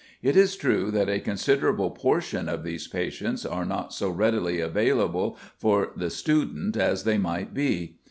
It is true that a considerable portion of these patients are not so readily available for the student as they might be.